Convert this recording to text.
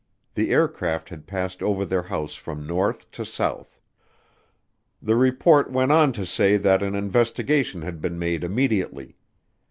The aircraft had passed over their house from north to south. The report went on to say that an investigation had been made immediately.